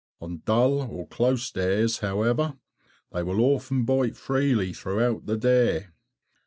On dull, "close" days, however, they will often bite freely throughout the day.